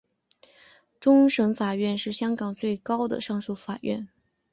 终审法院是香港最高的上诉法院。